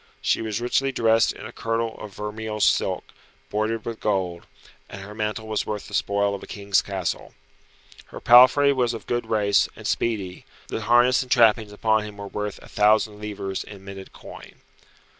She was richly dressed in a kirtle of vermeil silk, broidered with gold, and her mantle was worth the spoil of a king's castle. Her palfrey was of good race, and speedy; the harness and trappings upon him were worth a thousand livres in minted coin.